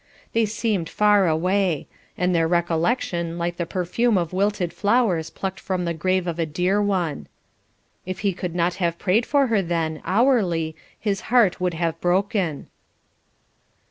They seemed far away, and their recollection, like the perfume of wilted flowers plucked from the grave of a dear one. If he could not have prayed for her then, hourly, his heart would have broken.